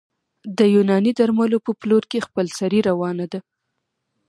د یوناني درملو په پلور کې خپلسري روانه ده